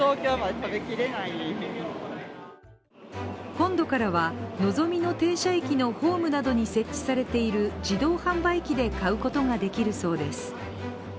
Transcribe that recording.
今度からはのぞみの停車駅のホームなどに設置されている自動販売機で買うことができるそうです。